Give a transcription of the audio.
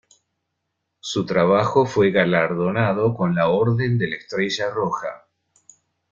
Su trabajo fue galardonado con la Orden de la Estrella Roja.